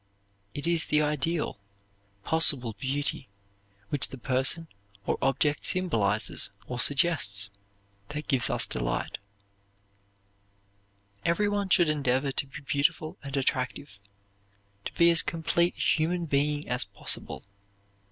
It is the ideal, possible beauty, which the person or object symbolizes or suggests, that gives us delight. Everyone should endeavor to be beautiful and attractive; to be as complete a human being as possible.